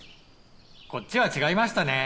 こっちは違いましたね。